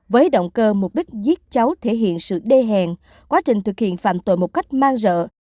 với động cơ mục đích giết cháu thể hiện sự đê hèn quá trình thực hiện phạm tội một cách mang rợ